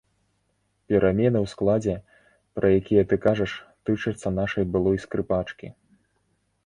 Перамены ў складзе, пра якія ты кажаш, тычацца нашай былой скрыпачкі.